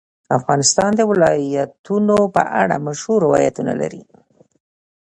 افغانستان د ولایتونو په اړه مشهور روایتونه لري.